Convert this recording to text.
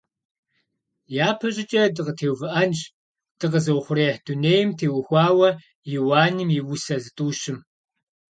ЯпэщӀыкӀэ дыкъытеувыӀэнщ дыкъэзыухъуреихь дунейм теухуауэ Иуаным и усэ зытӀущым.